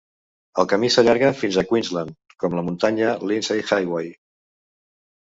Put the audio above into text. El camí s'allarga fins a Queensland com la muntanya Lindesay Highway.